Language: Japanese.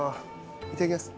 いただきます。